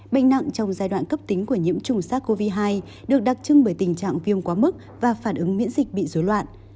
bệnh nặng trong giai đoạn cấp tính của nhiễm trùng sars cov hai được đặc trưng bởi tình trạng viêm quá mức và phản ứng miễn dịch bị dối loạn